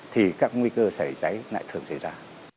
thì các nguy cơ cháy cháy lại thường xảy ra